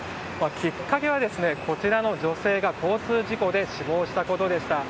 きっかけは、こちらの女性が交通事故で死亡したことでした。